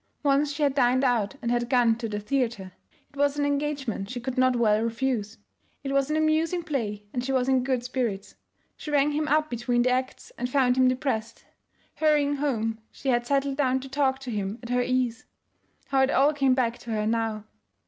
Once she had dined out and had gone to the theatre. It was an engagement she could not well refuse. It was an amusing play and she was in good spirits. She rang him up between the acts and found him depressed. Hurrying home she had settled down to talk to him at her ease. How it all came back to her now!